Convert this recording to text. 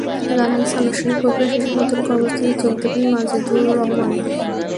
জানা গেছে, আনুষ্ঠানিক প্রক্রিয়া শেষে নতুন কর্মস্থলে যোগ দেবেন মাজেদুর রহমান।